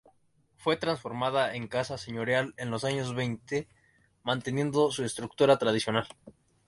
Fue transformada en casa señorial en los años veinte, manteniendo su estructura tradicional.